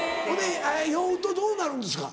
酔うとどうなるんですか？